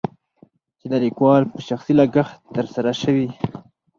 چې دليکوال په شخصي لګښت تر سره شوي.